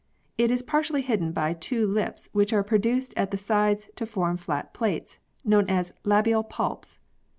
It is partially hidden by two lips which are produced at the sides to form flat plates known as labial palps.